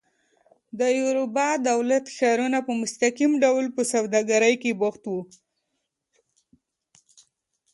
د یوروبا دولت ښارونه په مستقیم ډول په سوداګرۍ کې بوخت وو.